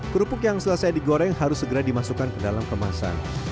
kerupuk yang selesai digoreng harus segera dimasukkan ke dalam kemasan